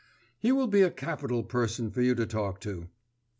He will be a capital person for you to talk to!